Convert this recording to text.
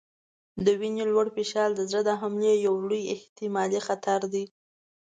د وینې لوړ فشار د زړه د حملې یو لوی احتمالي خطر دی.